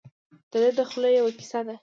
دده د خولې یوه کیسه ده.